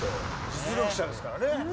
実力者ですからね。